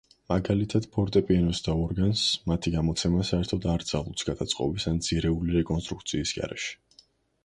მაგალითად, ფორტეპიანოს და ორგანს მათი გამოცემა საერთოდ არ ძალუძს გადაწყობის ან ძირეული რეკონსტრუქციის გარეშე.